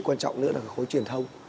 quan trọng nữa là khối truyền thông